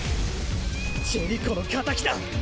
ジェリコの敵だ。